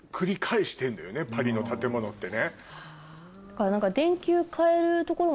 パリの建物ってね。